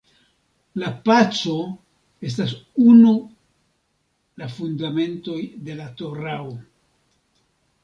La paco estas unu la fundamentoj de la Torao.